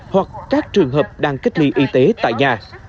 hoặc các trường hợp đang kết lì y tế tại nhà